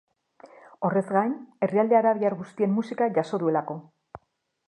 Horrez gain, herrialde arabiar guztien musika jaso duelako.